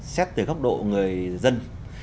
xét từ góc độ người dân